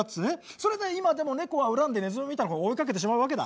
それで今でもネコは恨んでネズミを見たら追いかけてしまうわけだ。